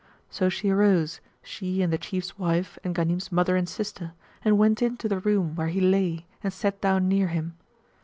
So she arose, she and the Chief's wife and Ghanim's mother and sister, and went in to the room where he lay and sat down near him.